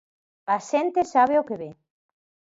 A xente sabe o que ve.